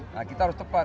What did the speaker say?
nah kita harus tepat